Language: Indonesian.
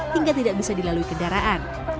hingga tidak bisa dilalui kendaraan